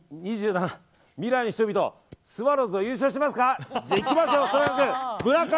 未来の人々スワローズは優勝してますか？